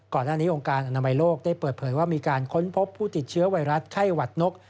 ก่อนหน้านี้องค์การอนามัยโลกได้เปิดเผยว่ามีการค้นพบผู้ติดเชื้อไวรัสไข้หวัดนก